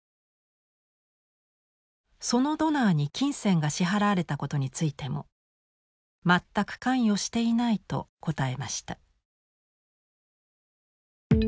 そのドナーに金銭が支払われたことについても全く関与していないと答えました。